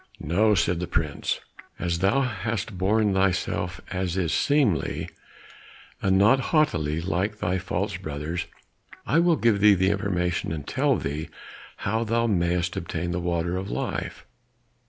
"No," said the prince. "As thou hast borne thyself as is seemly, and not haughtily like thy false brothers, I will give thee the information and tell thee how thou mayst obtain the water of life.